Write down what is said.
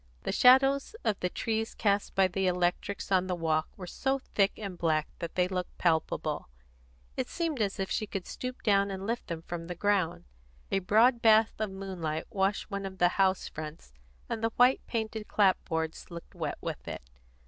The shadows of the trees cast by the electrics on the walks were so thick and black that they looked palpable; it seemed as if she could stoop down and lift them from the ground. A broad bath of moonlight washed one of the house fronts, and the white painted clapboards looked wet with it.